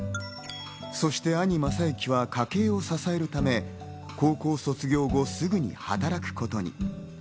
そして兄・雅之は家計を支えるため、高校卒業後、すぐに働くことに。